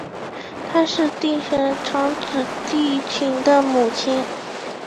她是帝喾长子帝挚的母亲。